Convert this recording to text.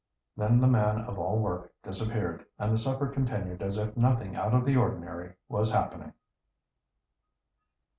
Then the man of all work disappeared, and the supper continued as if nothing out of the ordinary was happening.